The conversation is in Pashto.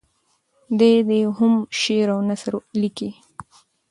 دی هم شعر او هم نثر لیکي.